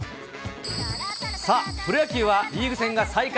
さあ、プロ野球はリーグ戦が再開。